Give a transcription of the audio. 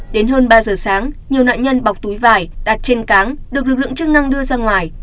đến hơn ba giờ sáng nhiều nạn nhân bọc túi vải đặt trên cáng được lực lượng chức năng đưa ra ngoài